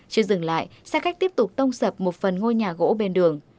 chưa dừng lại xe khách tiếp tục tông sập một phần ngôi nhà gỗ bên đường